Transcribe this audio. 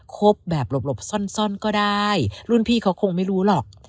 คบแบบหลบซ่อนก็ได้รุ่นพี่เขาคงไม่รู้หรอก